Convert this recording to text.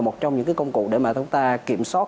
một trong những công cụ để mà chúng ta kiểm soát